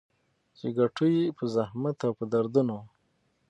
چي ګټو يې په زحمت او په دردونو